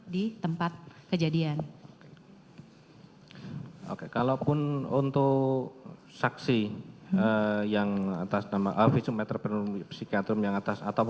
di tempat kejadian oke kalaupun untuk saksi yang atas nama alvisum etrepreneur psikiatrim yang atas atau